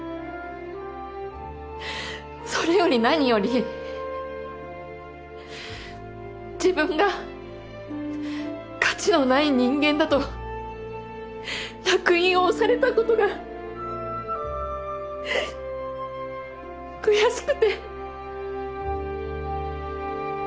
それより何より自分が価値のない人間だと烙印を押された事が悔しくて。